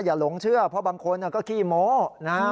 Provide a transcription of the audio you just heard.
อย่าหลงเชื่อเพราะบางคนก็กี้โม๊ะ